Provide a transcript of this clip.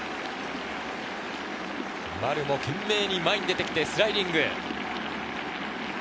丸も懸命に前に出て来てスライディング。